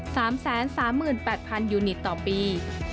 สามแสนสามหมื่นแปดพันยูนิตต่อปี